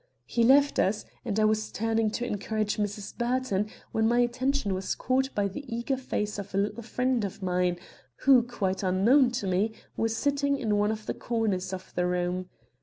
"He left us, and I was turning to encourage Mrs. Burton when my attention was caught by the eager face of a little friend of mine, who, quite unknown to me, was sitting in one of the corners of the room.